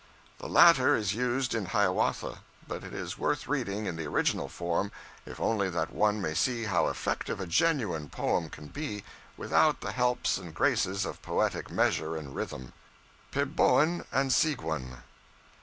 The latter is used in Hiawatha; but it is worth reading in the original form, if only that one may see how effective a genuine poem can be without the helps and graces of poetic measure and rhythm PEBOAN AND SEEGWUN.